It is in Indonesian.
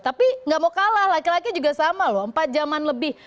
tapi gak mau kalah laki laki juga sama loh empat jaman lebih